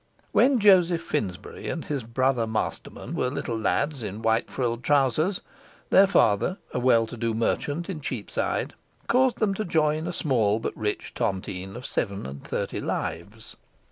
When Joseph Finsbury and his brother Masterman were little lads in white frilled trousers, their father a well to do merchant in Cheapside caused them to join a small but rich tontine of seven and thirty lives.